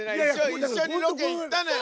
一緒にロケ行ったのよ。